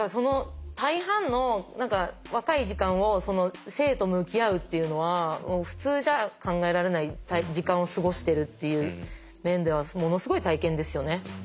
大半の若い時間を生と向き合うっていうのは普通じゃ考えられない時間を過ごしてるっていう面ではものすごい体験ですよね。